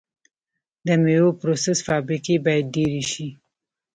د میوو پروسس فابریکې باید ډیرې شي.